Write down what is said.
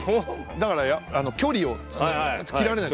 だから距離を斬られない。